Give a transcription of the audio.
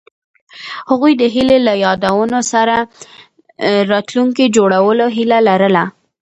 هغوی د هیلې له یادونو سره راتلونکی جوړولو هیله لرله.